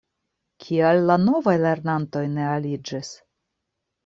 Kial la novaj lernantoj ne aliĝis?